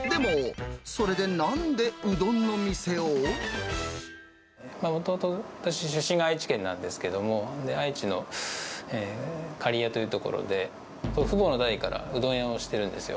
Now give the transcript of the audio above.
でも、もともと私、出身が愛知県なんですけれども、愛知の刈谷という所で、祖父母の代からうどん屋をしてるんですよ。